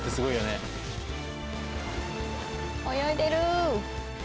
泳いでる！